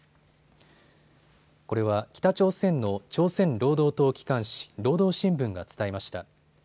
これは北朝鮮の朝鮮労働党機関紙、労働新聞が伝えました。